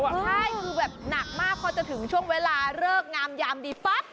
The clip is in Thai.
ใช่คือแบบหนักมากพอจะถึงช่วงเวลาเลิกงามยามดีปั๊บ